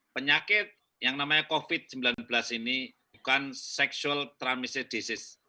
penyakit yang namanya covid sembilan belas ini bukan sexual transmisted disease